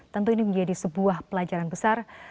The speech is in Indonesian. tentu ini menjadi sebuah pelajaran besar